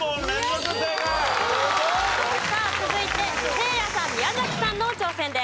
さあ続いてせいやさん宮崎さんの挑戦です。